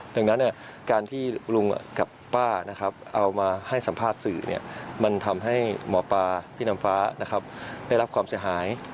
ดังนั้นการที่ลุงกับป้าเอามาให้สัมภาษณ์สื่อมันทำให้หมอปลาพี่น้ำฟ้าได้รับความเสียหาย